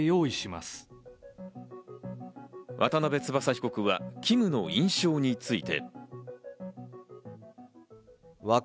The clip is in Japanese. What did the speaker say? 渡邉翼被告はＫＩＭの印象について。